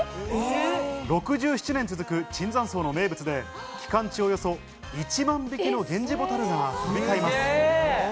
６７年続く椿山荘の名物で、期間中、およそ１万匹のゲンジボタルが飛び交います。